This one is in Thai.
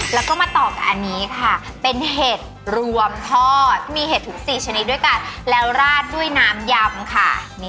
แล้วก็มาต่อกับอันนี้ค่ะเป็นเห็ดรวมทอดมีเห็ดถึง๔ชนิดด้วยกันแล้วราดด้วยน้ำยำค่ะ